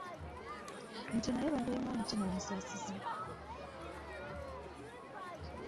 Nti naye babeemu omutima omusaasizi